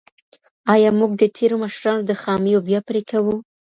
ایا موږ د تېرو مشرانو د خامیو بیه پرې کوو؟